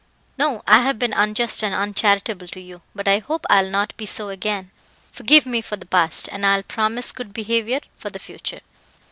"No; I have been unjust and uncharitable to you, but I hope I will not be so again. Forgive me for the past, and I will promise good behaviour for the future."